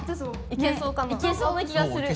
いけそうな気がする。